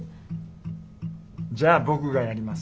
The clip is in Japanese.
じゃあ僕がやります。